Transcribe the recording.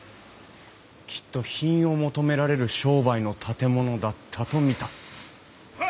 きっと品を求められる商売の建物だったと見た。